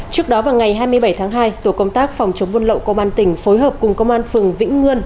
trước đó vào ngày hai mươi bảy tháng hai tổ công tác phòng chống buôn lậu công an tỉnh phối hợp cùng công an phường vĩnh ngươn